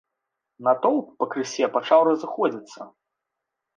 Натоўп пакрысе пачаў разыходзіцца.